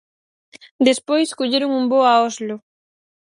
Despois colleron un voo a Oslo.